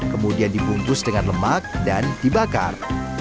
kemudian dibungkus dengan lemak dan dibakar